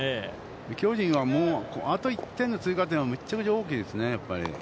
巨人は、あと１点追加点は、めちゃくちゃ大きいですね、やっぱり。